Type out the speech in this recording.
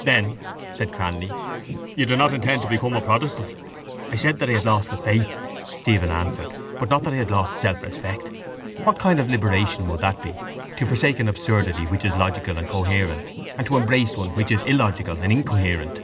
—Then, said Cranly, you do not intend to become a protestant? —I said that I had lost the faith, Stephen answered, but not that I had lost selfrespect. What kind of liberation would that be to forsake an absurdity which is logical and coherent and to embrace one which is illogical and incoherent?